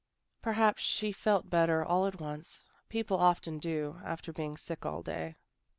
" Perhaps she felt better, all at once. People often do, after being sick all day."